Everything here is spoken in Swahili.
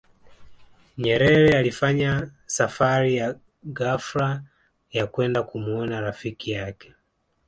nyerere alifanya safari ya ghafla ya kwenda kumuona rafiki yake